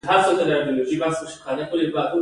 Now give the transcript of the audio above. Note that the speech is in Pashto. د سټیفن-بولټزمن قانون د وړانګو طاقت معلوموي.